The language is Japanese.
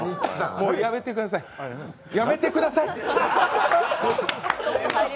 もうやめてください、やめてください！